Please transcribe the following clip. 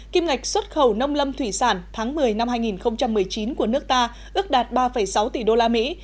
kim ngạch xuất khẩu nông lâm thủy sản tháng một mươi năm hai nghìn một mươi chín của nước ta ước đạt ba sáu tỷ đô la mỹ